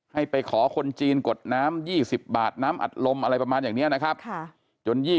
ให้ไปขอคนจีนกดน้ำ๒๐บาทน้ำอัดลมอะไรประมาณอย่างนี้นะครับ